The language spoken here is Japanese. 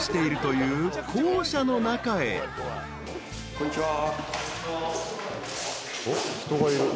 こんにちは。